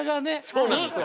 そうなんですよ。